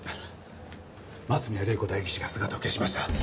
松宮玲子代議士が姿を消しました。